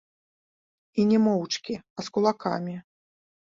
І не моўчкі, а з кулакамі.